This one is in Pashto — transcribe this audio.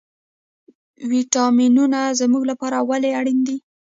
ویټامینونه زموږ لپاره ولې اړین دي